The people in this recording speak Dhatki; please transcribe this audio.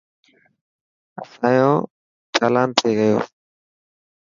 اسانيو چالان ٿي گيو.